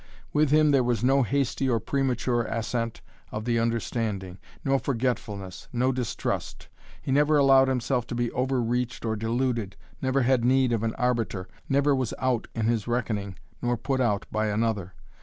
With him there was no hasty or premature assent of the understanding, no forgetfulness, no distrust. He never allowed himself to be overreached or deluded, never had need of an arbiter, never was out in his reckoning nor put out by another.